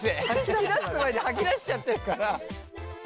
聞き出す前に吐き出しちゃってるから。